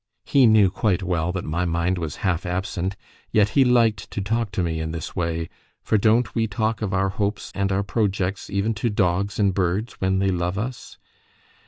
He knew quite well that my mind was half absent, yet he liked to talk to me in this way; for don't we talk of our hopes and our projects even to dogs and birds, when they love us?